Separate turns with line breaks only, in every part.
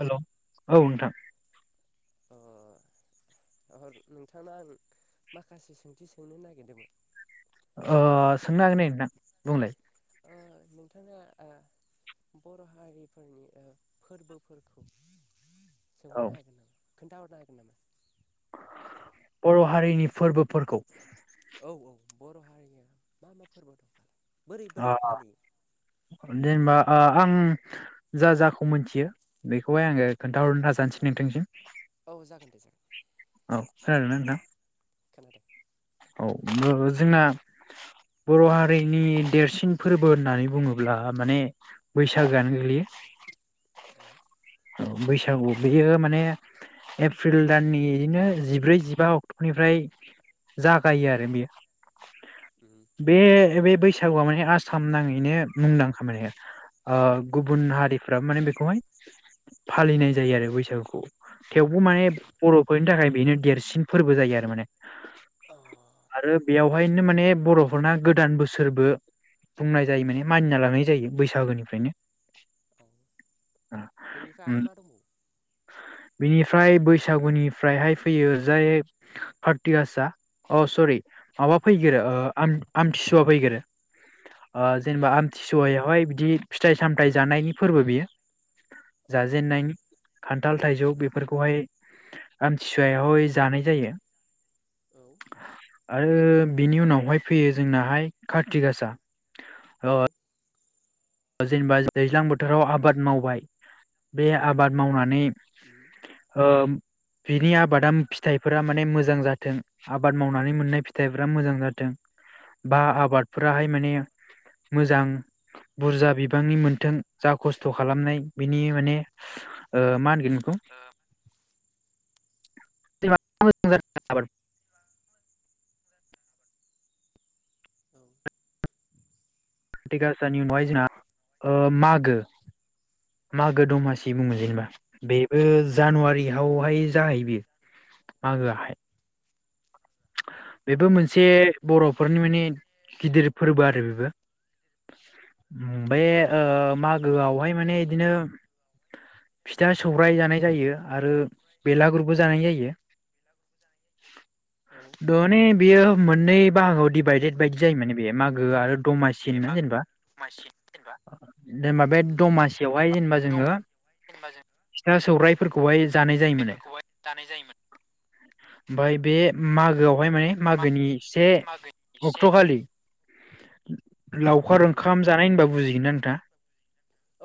Hello औ नोंथां
ओ ओ नोंथांनाव आं माखासे सोंथि सोंनो नागिरदोंमोन।
सोंनो हागोन नै नोंथा बुंलाय
ओ नोंथाङा ओ बर' हारिफोरनि ओ फोरबोफोरखौ
औ
सोहरनो हागोन नामा? खोन्थाहरनो हागोन नामा?
बर' हारिनि फोरबोफोरखौ
औ औ बर' हारिनिया मा मा फोरबो दंखालाय
अ दे ओमबा ओ आं जा जाखौ मोनथियो बेखौहाय आङो खोन्थाहरनो नाजानोसै नोंथांसिम।
औ जागोन दे जागोन।
औ खोनादोंना नोंथां?
खानादों
औ जोंना बर' हारिनि देरसिन फोरबो होननानै बुङोब्ला माने बैसागोआनो गोग्लैयो।
औ
बैसागु बेयो माने एप्रिल दाननि नो बिदिनो जिब्रै जिबा अक्ट'निफ्राय जागायो आरो बेयो बे बे बैसागुआ माने आसाम नाङैनो मुंदांखा माने ओ गुबुन हारिफ्राबो माने बेखौहाय फालिनाय जायो आरो बैसागुखौ थेवबो माने बर'फोरनि थाखाय बेनो देरसिन फोरबो जायो आरो माने। आरो बेयावहायनो माने बर'फोरना गोदान बोसोरबो बुंनाय जायो माने मानिना लानाय जायो बैसागोनिफ्रायनो ओ उम
[inaudible]
बिनिफ्राय बैसागुनिफ्रायहाय फैयो जाय काति गासा अ सरि माबा फैग्रोयो ओ आमथिसुवा फैगोरो ओ जेनेबा आमथिसुवायावहाय बिदि बिदि फिथाइ सामथायाइ जानायनि फोरबो बियो जाजेनन्नायनि खान्थाल थाइजौ बेफोरखौहाय आमथिसुवायावहाय जानाय जायो। आरो बिनि उनावहाय फैयो जोंनाहाय कार्तिक गासा आरो जेनेबा दैज्लां बोथोराव आबाद मावबाय बे आबाद मावनानै ओ बिनि आबादा फिथाइफोरा माने मोजां जाथों आबाद मावनानै मोननाय फिथाइफोरा मोजां जाथों बा आबादफोराहाय माने मोजां बुरजा बिबांनि मोन्थों जा खस्थ' खालामनाय बिनि माने ओ मा होनगोन बेखौ? [inaudible] कारतिक गासानि उनावहाय जोंना ओ मागो मागो दमासि बुङो जेनेबा बे ओ जानुवारियावहाय जाहै बेयो मागो हाय बेबो मोनसे बर'फोरनि माने गिदिर फोरबो आरो बेबो ओमफ्राय ओ मागोआवहाय माने बिदिनो फिथा सौरायाइ जानाय जायो। आरो बेलागुरबो जानाय जायो। दन बियो मोननै बाहागोआव दिडभाइडेड बायदि जायो माने बे मोखो आरो दमासि
बे माग
जेनेबा
दमासि जेनेबा
जेनेबा बे दमासियावहाय जेनेबा जोङो
दमासि जेनेबा जों
फिथा सौराइ फोरखौहाय जानाय जायोमोन
फिथाइफोरखौहाय जानाय जायोमोन
ओमफ्राय बे मागो मागोआवहाय माने
मा
मागोनि से
मागोनि से
अक्ट'खालि लावखार ओंखाम जानाय होनबा बुजि दिन आनथा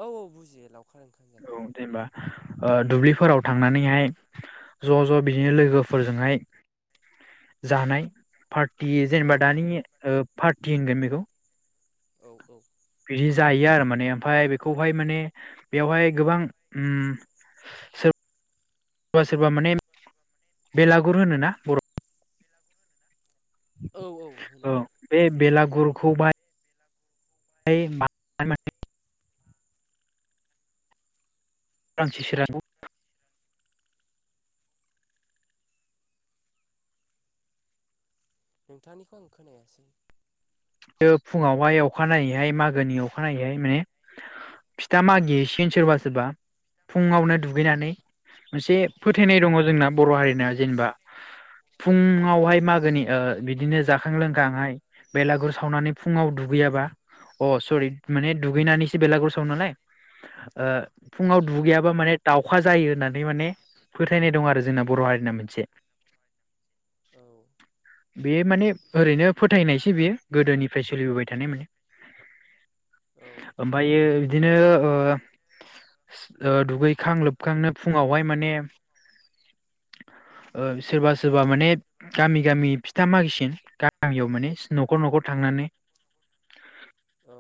औ औ बुजियो लावखार ओंखाम
औ
जानाय
जेनेबा ओ दुब्लिफोराव थांनानैहाय ज' ज' बिदिनो लोगोफोरजोंहाय जानाय पार्टि जेनेबा दानि ओ पार ति होनगोन बेखौ बिदि जायो आरो माने बे ओमफ्राय बेखौहाय माने बेयावहाय गोबां उम सोरबा सोरबा माने बेलागुर होनोना बर' औ बे बेलागुरखौ बाय [inaudible] हाय [inaudible] रां से सोरा [inaudible]
नोंथांनिखौ आं खोनायासै‌।
[inaudible] फुङावहाय अखानायैहाय मागोनि अखानायैहाय माने फिथा मागिसिन सोरबा सोरबा फुङावनो दुगैनानै। मोनसे फोथायनाय दङ जोंना बर' हारिनि जेनेबा फुङावहाय मागोनि ओ बिदिनो जाखां लोंखांहाय बेलागुर सावनानै फुङाव दुगैयाबा अ सरि माने दुगैनानैसो बेलागुर सावनोलाय ओ। फुङाव दुगैयाबा माने दाउ अखा जायो होननानै माने फोथायनाय दं आरो जोंना बर' हारिना मोनसे।
[inaudible]
बे माने ओरैनो फोथायनायसो बियो। गोदोनिफ्राय सोलिबोबाय थानाय माने‌। ओमफायो बिदिनो ओ ओ दुगैखां लोबखांनो फुङावहाय माने ओ सोरबा सोरबा माने गामि गामि फिथा मागिसिन गामियाव माने न'ख न'र थांनानै।
औ।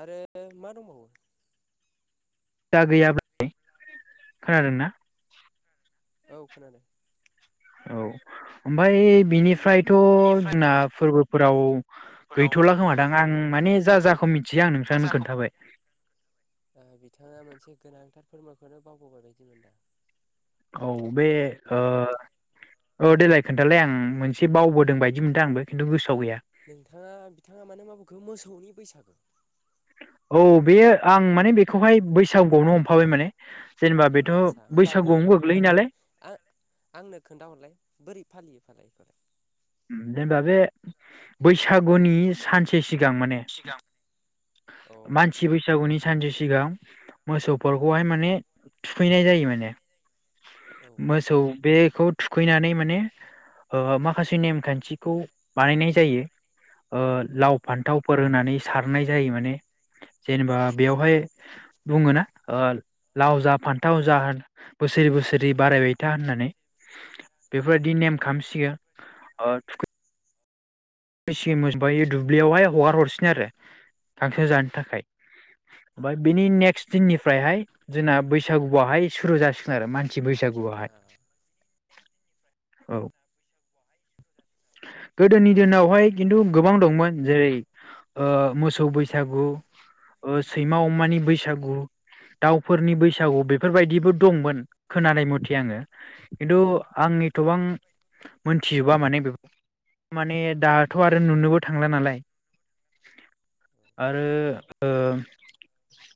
आरो मा दंबावो
दा गैया [inaudible] खोनादोंना?
औ खोनादों।
औ ओमफाय बिनिफ्राय थ'
निफ्राय
जोंना फोरबो फोराव
फोराव
गैथ'ला खोमादां आं माने जा जाखौ मि
जा जाखौ ओ बिथाङा मोनसे गोनां थार फोरमानखौनो बावबोबाय बादि मोनदां।
औ बे ओ औ देलाय खोन्थालाय आं मोनसे बावबोदों बायदि मोनदों आंबो खिन्थु गोसो
नोंथाङा बिथाङा माने मा बुंखो मोसौनि बैसागो
औ बेयो आं माने बेखौहाय बैसागुआवनो हमफाबाय माने। जेनेबा बेथ'
आदसा होमबाबो
बैसागुआवनो गोग्लैयो
आंनो
नालाय
आं आंनो खोन्थाहरलाय बोरै फालियो फालाय?
ओम जेनेबा बे बैसागुनि सानसे सि सिगां माने
सिगां
मानसि बैसागुनि सानसे सिगां मोसौफोरखौहाय माने थुखैनाय जायो माने मोसौ बेखौ थुखैनानै माने ओ माखासे से नेमखान्थिखौ बानायनाय जायो ओ लाव फान्थावफोर होनानै सारनाय जायो माने जेनेबा बेवहाय बुङोना ओ लाव जा फान्थाव जा बोसोरै बोसोरै बारायबाय था होननानै। बेफोरबायदि नेम खामसि‌यो ओ थुखै मेसे मोजबाय दुब्लियावहाय हगार हरसिनो आरो गांसो जानो थाखाय ओमफाय बेनि नेक्स्ट दिननिफ्रायहाय जोंना बैसागुआहाय सुरु जासिगोन आरो मानसि बैसागुआहाय औ। गोदोनि दिनावहाय खिन्थु गोबां दंमोन जेरै ओ मोसौ बैसागु ओ सैमा अमानि बैसागु दाउफोरनि बैसागु बेफोरबायदिबो दंमोन खोनानाय मथे आङो खिन्थु आं एथ'बां मोनथिजोबा माने बे माने दाथ' आरो नुनोबो थांला नालाय आरो ओ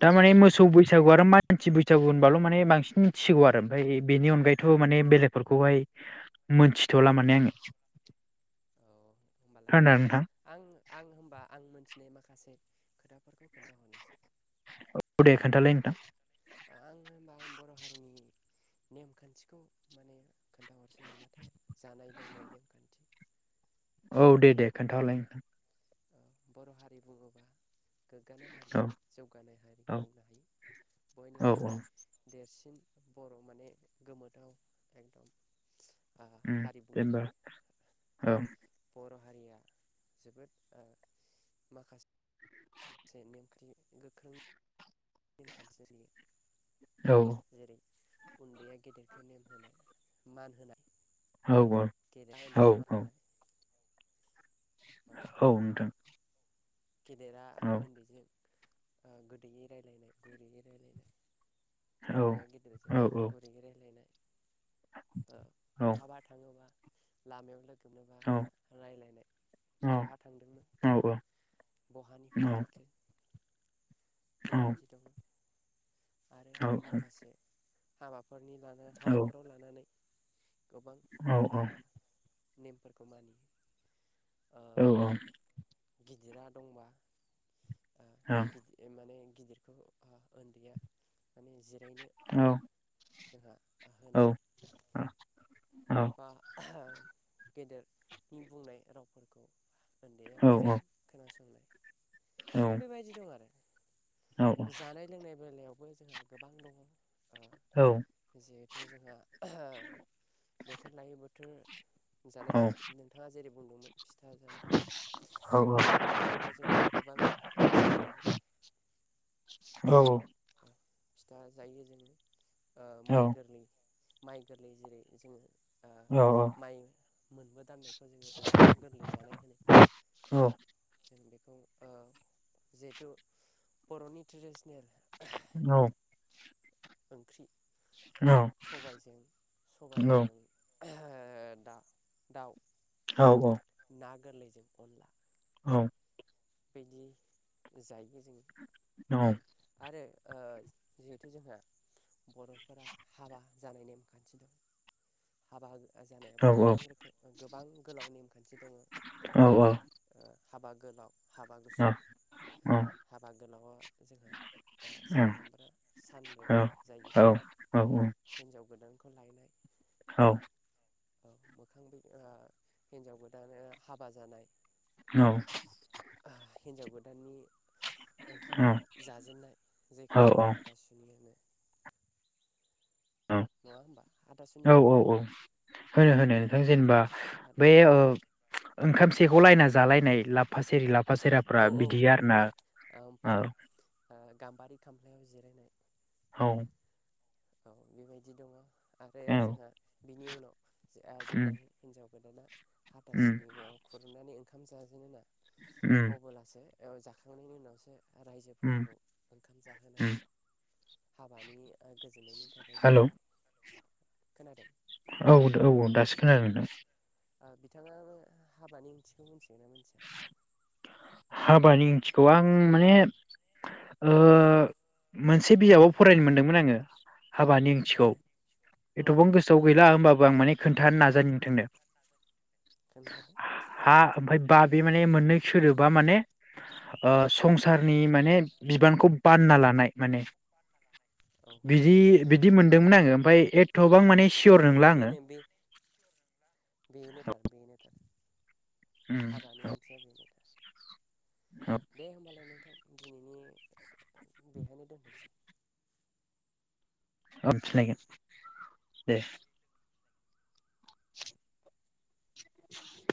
दामानि मोसौ बैसागु आरो माय मानसि बैसागु होनबाल' माने बांसिन मिथिसिगौ आरो ओमफाय बेनि अनगायैथ' माने बेलेगफोरखौहाय मोनथिथ'ला माने आङो। [unintelligible]
होमबालाय आं
खोनादों नोंथां
आं आं होमबा आं मोनथिनाय माखासे माखासे खोथाफोरखौ खोन्थाहरनोसै।
औ दे खोन्थालाय नोंथां।
आं होनबा आं बर' हारिनि नेमखान्थिखौ माने खोन्थाहरसै नामाथाय जानाय लोंनाय नेमखान्थि।
औ दे दे खोन्थाहरलाय नोंथां।
बर' हारि बुङोबा गोग्गानाय हारि
औ
जौगानाय हारि बुंनो हायो
औ
बयनिख्रुइ देरसिन बर' माने गोमोथाव एकदम
ओम जेनेबा औ
बर' हारिया जोबोद माखासे से नेमखान्थि गोख्रों [unintelligible]
औ
उन्दैया गेदेरखौ नेम होनाय मान होनाय
औ औ औ औ नोंथां
गेदेरा
औ
उन्दैजों गोदैयै रायज्लायनाय गुरैयै रायज्लायनाय
औ
उन्दैया गेदेरजों
औ
गुरै रायज्लायनाय बहाबा थाङोबा लामायाव
औ
रायज्लायनाय
औ औ
बहा थांदोंमोन
औ
बहानिफ्राय फैखो
औ
बेबायदि दङ आरो
औ
माखासे हा बा न'खरनि लानो
औ
हाबाफोराव लानानै गोबां
औ
[unintelligible]
औ औ
गिदिरा दंबा गिद माने गिदिरखौ उन्दैया माने जिरायनो जोंहा होनाय। बा गेदेरनि बुंनाय रावफोरखौ। उन्दैया मोजाङै खोनासंनाय बेबायदि दं आरो जानाय लोंनाय बेलायाव। बेवबो जोंहा गोबां दङ। जिहेथु जोंहा। बोथोर लायो। बिदि जानाय दं नोंथाङा जेरै [unintelligible] फिथा जानाय फिथा जानायावबो जोंहा गोबां नेम दङ।
औ औ
फिथा जायो जोङो। ओ माइ गोरलै। माइ गोरलै जेरै जोङो।
औ
माइ मोनबो दांनायखौ जोङो ओंखाम गोरलै जानाय होनो
औ
जों बेखौ जिहेथु बर'नि ट्रेडिसनेल।
औ
ओंख्रि
औ औ
दा दाउ
औ औ
ना गोरलैजों खनला
औ
बायदि जायो। [unintelligible] आरो ओ जिहेथु जोंहा बर'फोरा हाबा जानाय नेमखान्थि दं हाबा जानायाबो गोबां रोखोम गोबां गोलाव नेमखान्थि दं।
औ औ
हाबा गोलाव हाबा गुसुं। हाबा गोलावा जोंहा सानथामबा सानब्रै जायो। हिनजाव गोदान खौ लायनाय,
औ।
औ मोखां बि ओ हिनजाव गोदानो हाबा जानाय,
औ।
हिनजाव गोदाननि ओंखाम जाजेनन्नाय जायखौ जोङो हाथा सुनि होनो।
औ औ औ औ होनो होनो। नों जेनोबा बे ओ ओंखामसेखौ लायना जालायनाय लाफा सेरि लाफा सेराफ्रा
औ-औ
बिदि
बेनो
आरोना
बेनो
औ
ओमफ्राय ओ गाम्बारि खामफ्लायाव जि [inaudible]
औ
औ बेबायदि दङ आरो
औ
जोंहा बिनि उनाव ओ जेब्ला
उम
हिनजाव गोदान
उम
हाथासुनियाव खुरनानै ओंखाम जाजेनो ना
उम
अबोलासो औ जाखांनायनि उनावसो
उम
रायजोफोरखौ ओंखाम जाहोनाय
उम
हाबानि ओ गोजोननायनि
हेल'
खोनादों?
औ-औ-औ दासो खोनादों नोंथां।
बिथाङा हाबानि ओंथिखौ मिथिगोन ना मिथिया?
हाबानि ओंथिखौ आं माने ओ मोनसे बिजाबाव फरायनो मोनदोंमोन आङो हाबानि ओंथिखौ एथ'बां गोसोआव गैला होम बां मानि खोन्थानो नाजायो नोंथांनो हा ओमफ्राय बा बे माने मोननै सोदोब बा माने ओ संसारनि माने बिबानखौ बानना लानाय माने। बिदि बिदि मोनदोंमोन आङो बै एथ गोबां माने सियर नंला आङो
बेनोथार बेनोथार
उम
हाबाानि
औ
ओंथिया बेनो दा दे होमबालाय नोंथां दिनैनि बेहायनो दोनथसै
हाब सिनायगोन दे [inaudible]